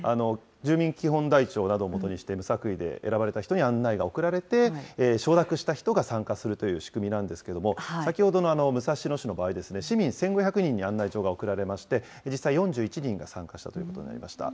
住民基本台帳などを基にして無作為で選ばれた人に案内が送られて、承諾した人が参加するという仕組みなんですけれども、先ほどの武蔵野市の場合ですね、市民１５００人に案内状が送られまして、実際４１人が参加したということになりました。